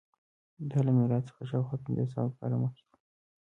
دا له میلاد څخه شاوخوا پنځه سوه کاله مخکې وه.